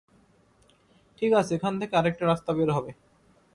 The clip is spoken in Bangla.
ঠিক আছে, এখান থেকে আরেকটা রাস্তা বের হবে।